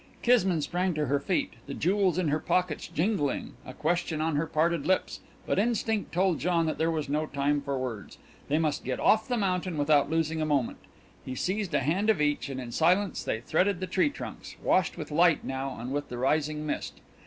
Kismine sprang to her feet, the jewels in her pockets jingling, a question on her parted lips, but instinct told John that there was no time for words. They must get off the mountain without losing a moment. He seized a hand of each, and in silence they threaded the tree trunks, washed with light now and with the rising mist.